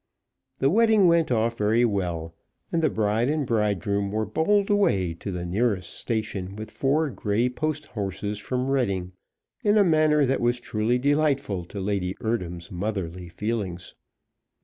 The wedding went off very well, and the bride and bridegroom were bowled away to the nearest station with four grey post horses from Reading in a manner that was truly delightful to Lady Eardham's motherly feelings.